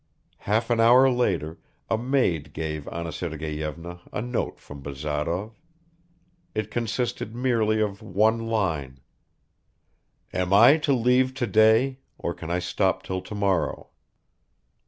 Half an hour later a maid gave Anna Sergeyevna a note from Bazarov; it consisted merely of one line: "Am I to leave today, or can I stop till tomorrow?"